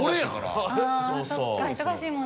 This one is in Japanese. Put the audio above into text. あそっか忙しいもんね。